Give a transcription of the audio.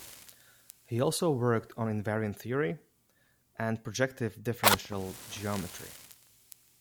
He also worked on invariant theory and projective differential geometry.